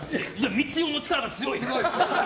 みちおの力がすごい。